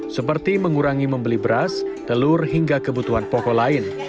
seperti mengurangi membeli beras telur hingga kebutuhan pokok lain